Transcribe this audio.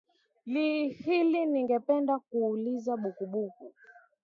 li hili ningependa nikuulize bukuku